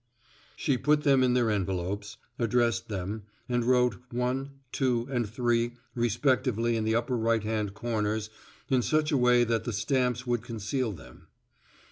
_ She put them in their envelopes, addressed them, and wrote 1, 2 and 3 respectively in the upper right hand corners in such a way that the stamps would conceal them.